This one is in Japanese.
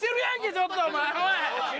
ちょっとお前おい！